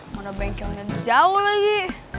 mana bengkelnya jauh lagi